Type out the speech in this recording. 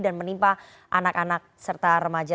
dan menimpa anak anak serta remaja